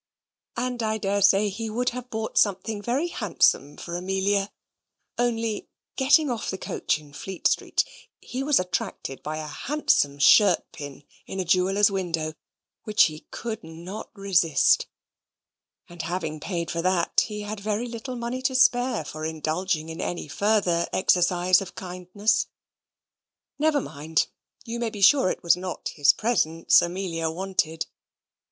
And I dare say he would have bought something very handsome for Amelia; only, getting off the coach in Fleet Street, he was attracted by a handsome shirt pin in a jeweller's window, which he could not resist; and having paid for that, had very little money to spare for indulging in any further exercise of kindness. Never mind: you may be sure it was not his presents Amelia wanted.